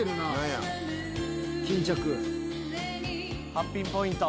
ハッピーポイント。